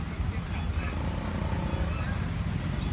จากเมื่อเกิดขึ้นมันกลายเป้าหมาย